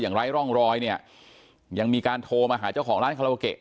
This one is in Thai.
ไร้ร่องรอยเนี่ยยังมีการโทรมาหาเจ้าของร้านคาราโอเกะ